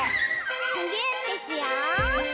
むぎゅーってしよう！